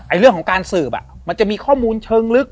เรื่องของการสืบมันจะมีข้อมูลเชิงลึก